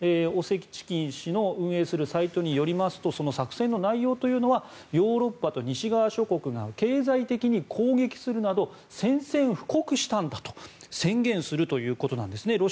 オセチキン氏の運営するサイトによりますとその作戦の内容というのはヨーロッパと西側諸国が経済的に攻撃するなど宣戦布告したんだと宣言するということなんですね